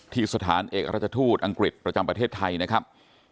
สถานเอกราชทูตอังกฤษประจำประเทศไทยนะครับ